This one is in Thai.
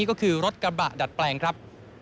ก็คือรถกระบะดัดแปลงครับ